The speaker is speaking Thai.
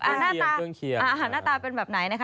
อาหารหน้าตาเป็นแบบไหนนะคะ